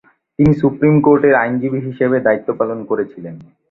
তিনি সুপ্রিম কোর্টের আইনজীবী হিসাবে দায়িত্ব পালন করেছিলেন।